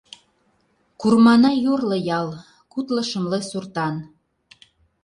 Курманай йорло ял, кудло–шымле суртан.